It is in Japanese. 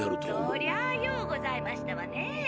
そりゃあようございましたわね！